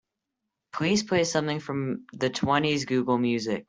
Please play something from the twenties google music